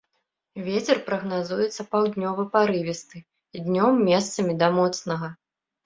Вецер прагназуецца паўднёвы парывісты, днём месцамі да моцнага.